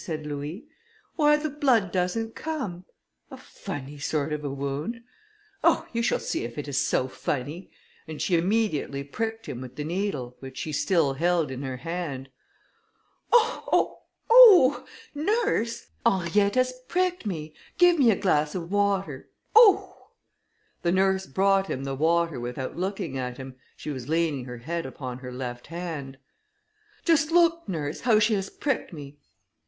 said Louis, "Why the blood doesn't come!" "A funny sort of a wound? Oh! you shall see if it is so funny," and she immediately pricked him with the needle, which she still held in her hand. "Oh! oh! oh! nurse, Henrietta has pricked me, give me a glass of water, oh!" The nurse brought him the water without looking at him, she was leaning her head upon her left hand. "Just look, nurse, how she has pricked me."